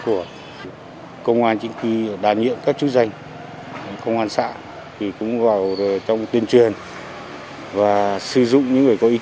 tội phạm ma túy